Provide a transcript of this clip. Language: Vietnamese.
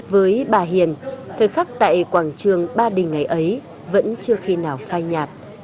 với bà hiền thời khắc tại quảng trường ba đình ngày ấy vẫn chưa khi nào phai nhạt